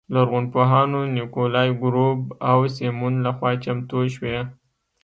لرغونپوهانو نیکولای ګروب او سیمون لخوا چمتو شوې.